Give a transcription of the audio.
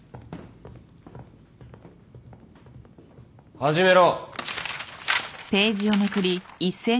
始めろ。